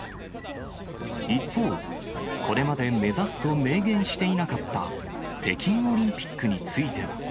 一方、これまで目指すと明言していなかった北京オリンピックについては。